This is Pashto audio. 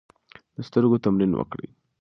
د سترګو تمرین وکړئ.